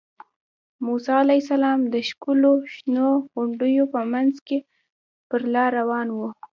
موسی علیه السلام د ښکلو شنو غونډیو په منځ کې پر لاره روان و.